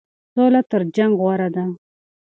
سوله تر جنګ غوره ده.